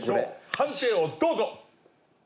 判定をどうぞ！